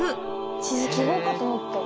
地図記号かと思った。